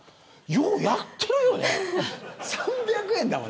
ようやってるよね。